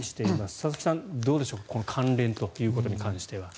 佐々木さん、どうでしょうこの関連ということに関しては。